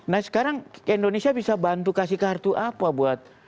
nah sekarang indonesia bisa bantu kasih kartu apa buat